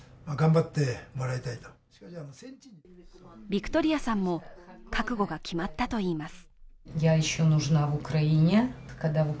ヴィクトリアさんも覚悟が決まったといいます。